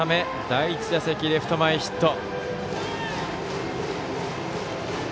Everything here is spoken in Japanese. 第１打席、レフト前ヒット。